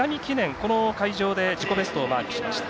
この会場で自己ベストをマークしました。